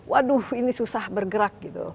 waduh ini susah bergerak gitu